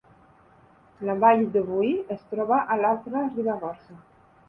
La Vall de Boí es troba a l’Alta Ribagorça